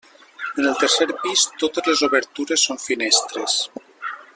En el tercer pis totes les obertures són finestres.